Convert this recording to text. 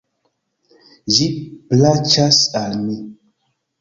Ĝi plaĉas al mi.